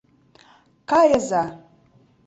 Кайыза!